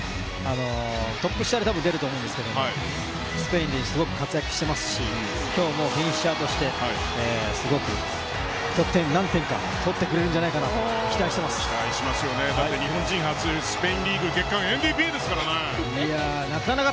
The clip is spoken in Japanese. トップ下で多分出ると思うんですけどスペインですごく活躍してますし今日もフィニッシャーとしてすごく得点、何点か取ってくれるんじゃないかと期待しますよね、日本人初のスペインリーグ月間ＭＶＰですから。